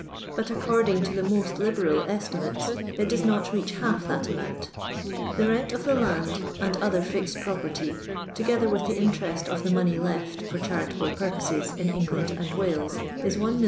but, accord ing to the roost liberal estimates, it does not reach half that amount ; the rent of the land and other fixed property, together with the interest of the money left for charitable purposes in Eng land and Wales, is 1,200,000